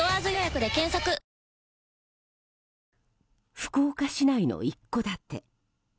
福岡市内の一戸建て。